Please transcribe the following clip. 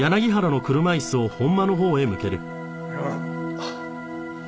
あっ。